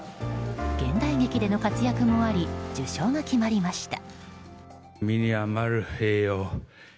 現代劇での活躍もあり受賞が決まりました。